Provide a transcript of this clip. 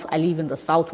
saya hidup di selatan